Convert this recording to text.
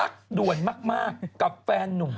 เต็มเลยครับตรงนั้น